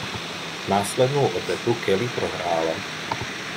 Následnou odvetu Kelly prohrála.